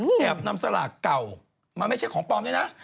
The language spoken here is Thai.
เอาสละเก่ามาไม่ใช่ของปลอมนี่นะ